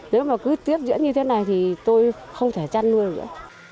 nếu mà cứ tiếp diễn như thế này thì tôi không thể chăn nuôi nữa